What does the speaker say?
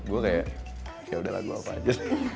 gue kayak yaudah lagu apa aja